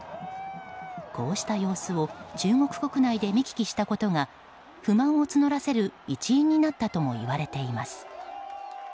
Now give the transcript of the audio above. こうした様子を中国国内で見聞きしたことが不満を募らせる一因になったともいわれています。